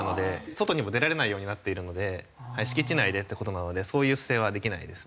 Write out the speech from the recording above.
外にも出られないようになっているので敷地内でっていう事なのでそういう不正はできないですね。